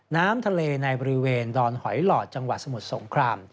น้ำทะเลในบริเวณดอนหอยหลอดจังหวัดสมุทรสงคราม